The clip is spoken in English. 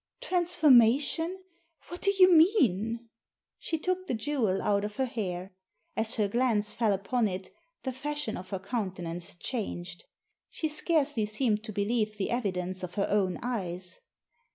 " Transformation ? What do you mean ?" She took the jewel out of her hair. As her glance fell upon it the fashion of her countenance changed. She scarcely seemed to believe the evidence of her own eyes.